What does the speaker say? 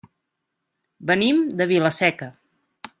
Venim de Vila-seca.